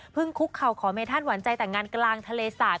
พึ่งคุกเขาขอเมธันหวานใจต่างงานกลางทะเลศาสตร์